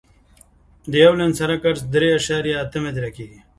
د یو لاین سرک عرض درې اعشاریه اته متره کیږي